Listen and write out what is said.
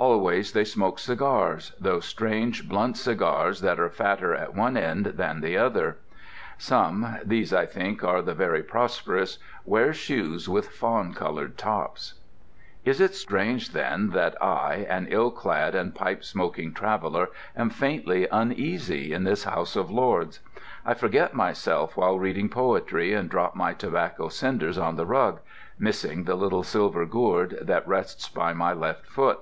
Always they smoke cigars, those strange, blunt cigars that are fatter at one end than at the other. Some (these I think are the very prosperous) wear shoes with fawn coloured tops. Is it strange then that I, an ill clad and pipe smoking traveller, am faintly uneasy in this House of Lords? I forget myself while reading poetry and drop my tobacco cinders on the rug, missing the little silver gourd that rests by my left foot.